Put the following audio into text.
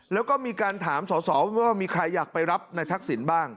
แล้วก็มีการถามสอสอว่ามีใครอยากไปรับในทักษิณบ้าง